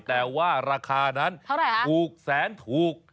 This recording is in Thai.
แต่ว่าราคานั้นถูกแสนถูก